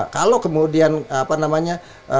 kalau kemudian apa namanya